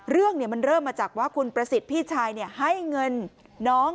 เรื่องมันเริ่มมาจากว่าคุณประสิทธิ์พี่ชายให้เงินน้อง